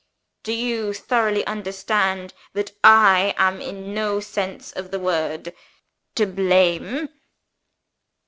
Do you thoroughly understand that I am, in no sense of the word, to blame